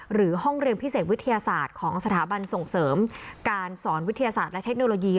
หรือห้องเรียนพิเศษวิทยาศาสตร์ของสถาบันส่งเสริมการสอนวิทยาศาสตร์และเทคโนโลยี